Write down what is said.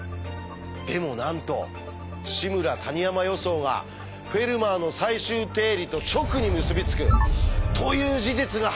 でもなんと「志村−谷山予想」が「フェルマーの最終定理」と直に結び付くという事実が発見されたんです！